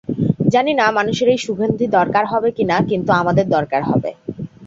জানি না মানুষের এই সুগন্ধি দরকার হবে কিনা, কিন্তু আমাদের দরকার হবে।